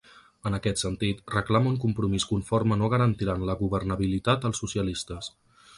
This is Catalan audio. En aquest sentit, reclama un compromís conforme no garantiran la governabilitat als socialistes.